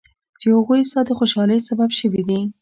چې هغوی ستا د خوشحالۍ سبب شوي دي.